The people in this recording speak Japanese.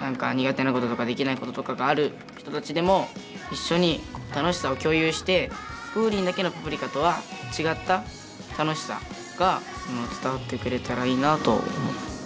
何か苦手なこととかできないこととかがある人たちでも一緒に楽しさを共有してＦｏｏｒｉｎだけの「パプリカ」とは違った楽しさが伝わってくれたらいいなと思ってる。